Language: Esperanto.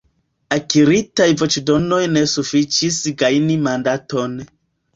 Akiritaj voĉdonoj ne sufiĉis gajni mandaton.